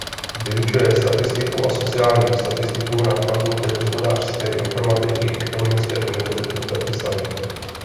Vyučuje statistiku a sociální statistiku na Fakultě hospodářské informatiky Ekonomické univerzity v Bratislavě.